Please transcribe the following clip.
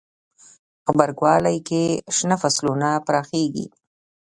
غبرګولی کې شنه فصلونه پراخیږي.